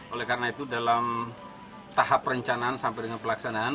oleh karena itu dalam tahap perencanaan sampai dengan pelaksanaan